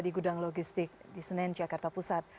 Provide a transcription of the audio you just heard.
di gudang logistik di senen jakarta pusat